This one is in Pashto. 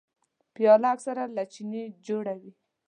پیاله اکثره له چیني جوړه وي.